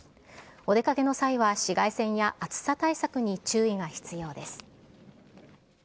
お出かけの際は紫外線や暑さ対策に注意が必要です。